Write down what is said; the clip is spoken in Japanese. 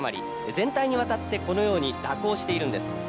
全体にわたってこのように蛇行しているんです。